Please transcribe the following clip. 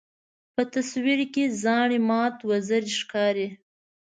په تصویر کې زاڼې مات وزرې ښکاري.